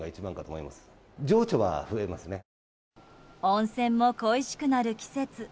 温泉も恋しくなる季節。